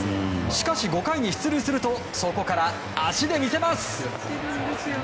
しかし、５回に出塁するとそこから足で見せます。